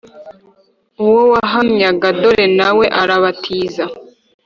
uwo wahamyaga dore na we arabatiza